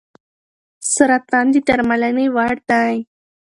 سرطان د درملنې وړ دی.